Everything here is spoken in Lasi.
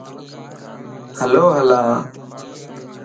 ھلو ھلان